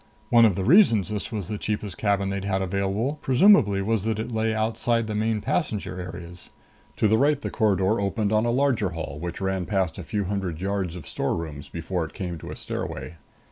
One of the reasons this was the cheapest cabin they'd had available presumably was that it lay outside the main passenger areas. To the right the corridor opened on a larger hall which ran past a few hundred yards of storerooms before it came to a stairway.